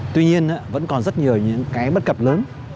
tuy nhiên vẫn còn rất nhiều những cái bất cập lớn